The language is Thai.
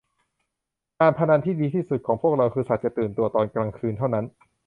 การพนันที่ดีทีสุดของพวกเราคือสัตว์จะตื่นตัวตอนกลางคืนเท่านั้น